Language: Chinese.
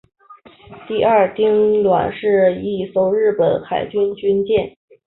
第二丁卯是一艘日本海军军舰。